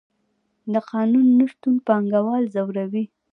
د قانون نشتون پانګوال ځوروي.